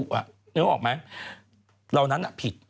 เขาบอกไหมเรานั้นอะผิด